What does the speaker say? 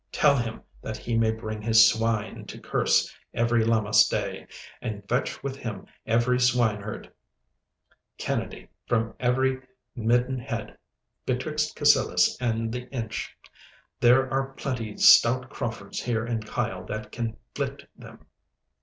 Tell him that he may bring his swine to Kerse every Lammas day, and fetch with him every swineherd Kennedy from every midden head betwixt Cassillis and the Inch. There are plenty stout Craufords here in Kyle that can flit them.